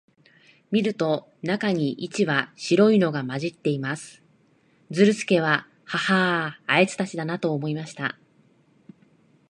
見ると、中に一羽白いのが混じっています。ズルスケは、ハハア、あいつたちだな、と思いました。